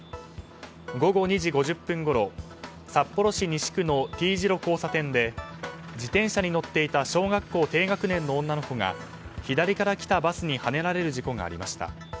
午後２時５０分ごろ札幌市西区のＴ字路交差点で自転車に乗っていた小学校低学年の女の子が左から来たバスにはねられる事故がありました。